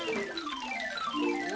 お！